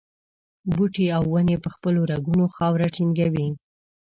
بوټي او ونې په خپلو رګونو خاوره ټینګوي.